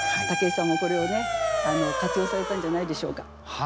武井さんもこれをね活用されたんじゃないでしょうか。